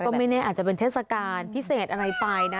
ไม่แน่อาจจะเป็นเทศกาลพิเศษอะไรไปนะ